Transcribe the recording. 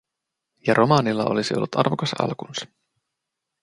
Ja romaanilla olisi ollut arvokas alkunsa.